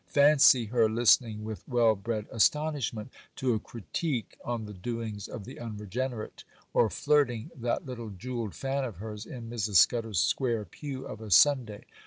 —fancy her listening with well bred astonishment to a critique on the doings of the unregenerate, or flirting that little jewelled fan of hers in Mrs. Scudder's square pew of a Sunday.